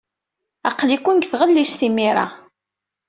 Aql-iken deg tɣellist imir-a.